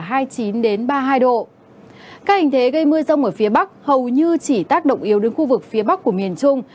các hình thế gây mưa rông ở phía bắc hầu như chỉ tác động yếu đến khu vực phía bắc của miền trung